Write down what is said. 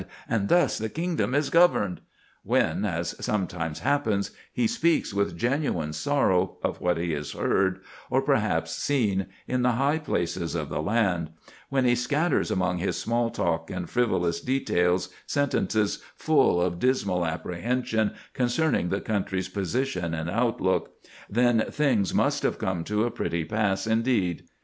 —and thus the kingdom is governed!"—when, as sometimes happens, he speaks with genuine sorrow of what he has heard, or perhaps seen, in the high places of the land; when he scatters among his small talk and frivolous details sentences full of dismal apprehension concerning the country's position and outlook,—then things must have come to a pretty pass indeed.